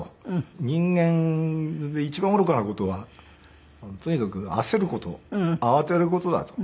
「人間一番愚かな事はとにかく焦る事慌てる事だ」と。